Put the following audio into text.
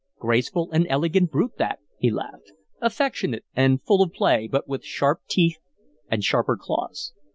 "Graceful and elegant brute, that," he laughed. "Affectionate and full of play, but with sharp teeth and sharper claws.